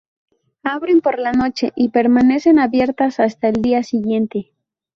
Abren por la noche y permanecen abiertas hasta el día siguiente.